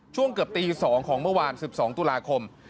ช่วงเกือบตี๒ของเมื่อวาน๑๒ตุลาคม